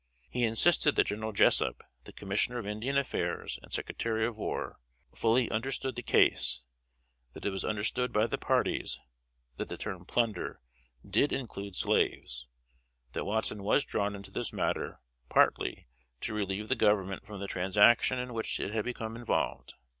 He insisted that General Jessup, the Commissioner of Indian Affairs and Secretary of War, fully understood the case; that it was understood by the parties that the term "plunder" did include slaves; that Watson was drawn into this matter, partly, to relieve the Government from the transaction in which it had become involved.